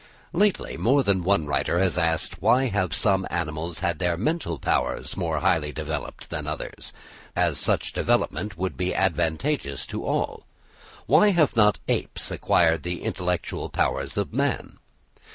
Lastly, more than one writer has asked why have some animals had their mental powers more highly developed than others, as such development would be advantageous to all? Why have not apes acquired the intellectual powers of man?